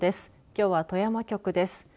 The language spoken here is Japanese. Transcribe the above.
きょうは富山局です。